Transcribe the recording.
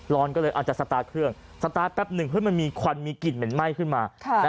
ร้อนก็เลยอาจจะสตาร์ทเครื่องสตาร์ทแป๊บหนึ่งมันมีควันมีกลิ่นเหม็นไหม้ขึ้นมา